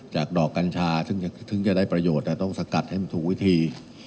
จากดอกกัญชาซึ่งจะได้ประโยชน์แต่ต้องสกัดให้มันถูกวิธี